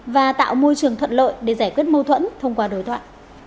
và tạo môi trường thuận lợi để giải quyết mâu thuẫn thông qua đối thoại